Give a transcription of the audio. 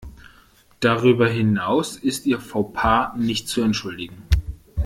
Darüber hinaus ist ihr Fauxpas nicht zu entschuldigen.